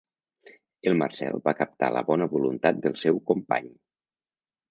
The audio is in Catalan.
El Marcel va captar la bona voluntat del seu company.